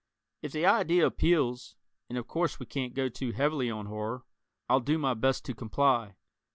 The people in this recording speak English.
If the idea appeals and of course we can't go too heavily on horror I'll do my best to comply.